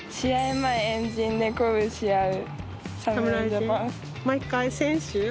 前、円陣で鼓舞し合う。